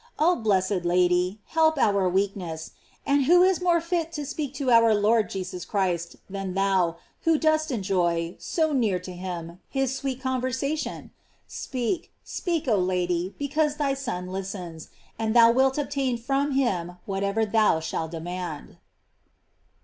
Oh blessed Lady, help our weakness. And who is more fit to speak to our Lord Jesus Christ than thou, who dost enjoy, so near to him, hia sweet conversation? Speak, speak, oh Lady, be cause thy Son listens, and thou wilt obtain from him whatever thou shalt demand.